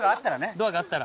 ドアがあったら。